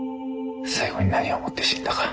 最後に何を思って死んだか。